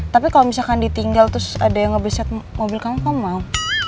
tapi kalau misalkan ditinggal terus ada yang ngebset mobil kamu mau